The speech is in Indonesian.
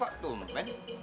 loh kok tuh mokmen